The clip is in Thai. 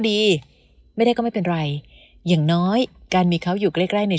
ดีไม่ได้ก็ไม่เป็นไรอย่างน้อยการมีเขาอยู่ใกล้ใกล้ใน